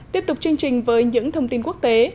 tiếp tục chương trình với những thông tin quốc tế